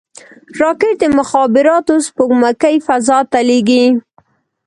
راکټ د مخابراتو سپوږمکۍ فضا ته لیږي